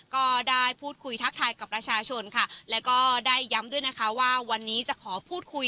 ก็ได้พูดคุยทักทายกับประชาชนค่ะแล้วก็ได้ย้ำด้วยนะคะว่าวันนี้จะขอพูดคุย